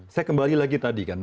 saya kembali lagi tadi kan